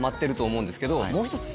もう１つ。